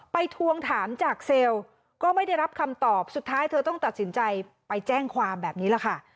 ทวงถามจากเซลล์ก็ไม่ได้รับคำตอบสุดท้ายเธอต้องตัดสินใจไปแจ้งความแบบนี้แหละค่ะ